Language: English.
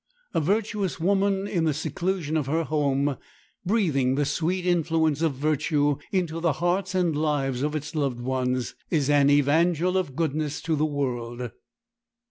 A virtuous woman in the seclusion of her home, breathing the sweet influence of virtue into the hearts and lives of its loved ones, is an evangel of goodness to the world.